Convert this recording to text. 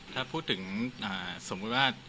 ถ้าพูดถึงสมมุติว่า